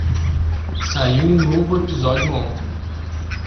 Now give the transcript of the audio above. Saiu um novo episódio ontem.